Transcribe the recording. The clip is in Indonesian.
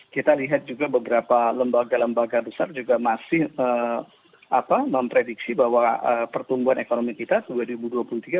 kita lihat juga beberapa lembaga lembaga besar juga masih memprediksi bahwa pertumbuhan ekonomi kita